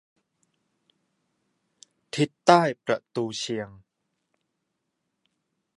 ทิศใต้ประตูเชียง